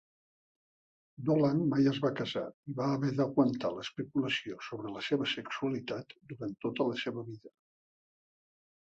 Dolan mai es va casar i va haver d'aguantar l'especulació sobre la seva sexualitat durant tota la seva vida.